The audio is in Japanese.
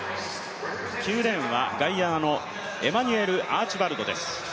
９レーンはガイアナのエマニュエル・アーチバルドです。